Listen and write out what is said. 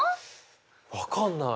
分かんない。